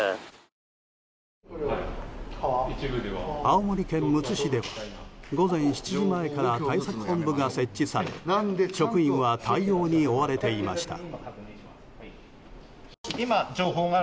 青森県むつ市では午前７時から対策本部が設置され職員は対応に追われていました。